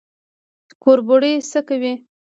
کربوړی څه کوي؟